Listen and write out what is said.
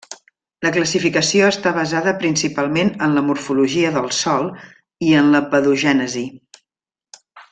La classificació està basada principalment en la morfologia del sòl i en la pedogènesi.